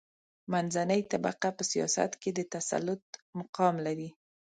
منځنۍ طبقه په سیاست کې د تسلط مقام لري.